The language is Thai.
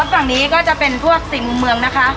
ฝั่งนี้ก็จะเป็นพวก๔มุมเมืองนะคะ